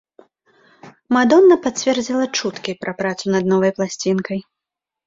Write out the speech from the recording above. Мадонна пацвердзіла чуткі пра працу над новай пласцінкай.